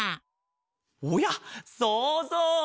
おやそうぞう！